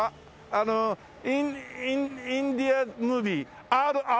あのインディアムービー『ＲＲＲ』！